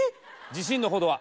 自信のほどは？